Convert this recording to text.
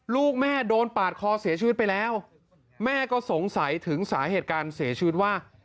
ลูกแม่โดนปาดคอเสียชีวิตไปแล้วแม่ก็สงสัยถึงสาเหตุการเสียชีวิตว่า